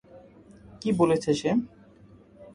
কী বলেছে সে?